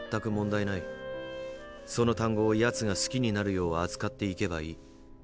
その単語をヤツが好きになるよう扱っていけばいい。